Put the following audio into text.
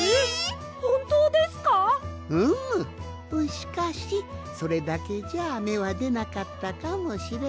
しかしそれだけじゃめはでなかったかもしれん。